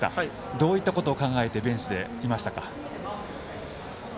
どういったことを考えてベンチでいましたか？